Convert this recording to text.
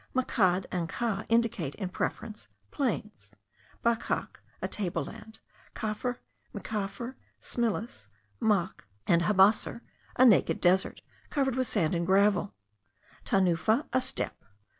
Makadh and kaah indicate, in preference, plains; bakaak, a table land; kafr, mikfar, smlis, mahk, and habaucer, a naked desert, covered with sand and gravel; tanufah, a steppe.